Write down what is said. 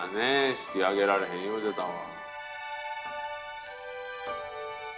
式挙げられへん言うてたわ。